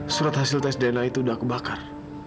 surat hasil tes dna itu udah aku bakar